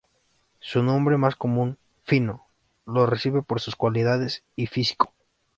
Su nombre más común, "Fino" lo recibe por sus cualidades y físico.